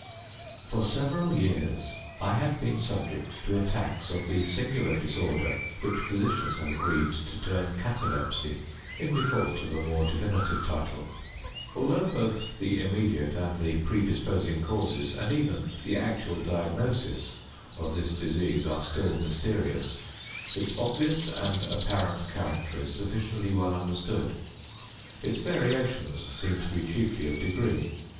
For several years I had been subject to attacks of the singular disorder which physicians have agreed to term catalepsy, in default of a more definitive title. Although both the immediate and the predisposing causes, and even the actual diagnosis, of this disease are still mysterious, its obvious and apparent character is sufficiently well understood. Its variations seem to be chiefly of degree.